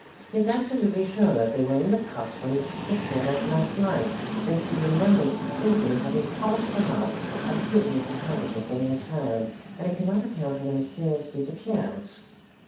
"He is absolutely sure that they were in the cuffs when he took the shirt off last night, since he remembers distinctly having polished them up a bit with his handkerchief when he retired, and he cannot account for their mysterious disappearance.